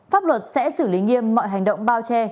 pháp luật sẽ xử lý nghiêm mọi hành động bao che